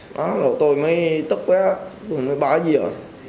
hồi tôi mới tức quá tôi mới bá dìa